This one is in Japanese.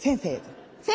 「先生」。